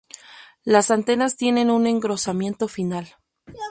Las antenas tienen un engrosamiento final.